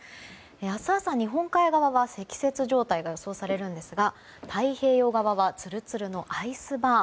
明日朝、日本海側は積雪状態が予想されますが太平洋側はつるつるのアイスバーン。